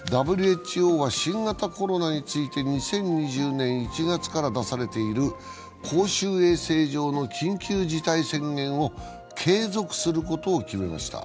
ＷＨＯは新型コロナについて２０２０年１月から出されている公衆衛生上の緊急事態宣言を継続することを決めました。